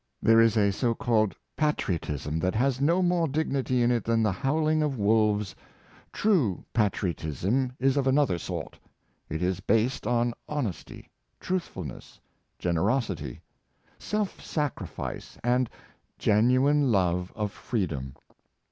There is a so called patriotism that has no more dignity in it than the howling of wolves. True patriotism is of another sort. It is based on honesty, truthfulness, gen erosity, self sacrifice, and genuine love of freedom.